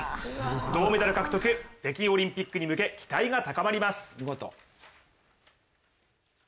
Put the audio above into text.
銅メダル獲得、北京オリンピックに向け期待が高まります。